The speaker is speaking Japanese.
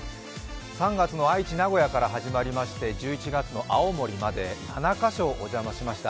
３月の愛知、名古屋から始まりまして１１月の青森まで７か所、お邪魔しました。